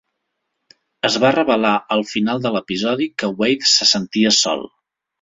Es va revelar al final de l"episodi que Wade se sentia sol.